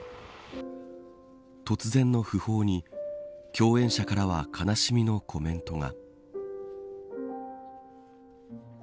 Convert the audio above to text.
突然の訃報に共演者からは悲しみのコメントが。